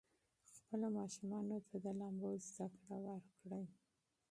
خپلو ماشومانو ته د لامبو زده کړه ورکړئ.